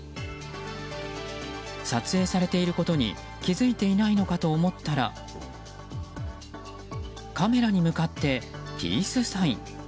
撮影されていることに気づいていないのかと思ったらカメラに向かってピースサイン。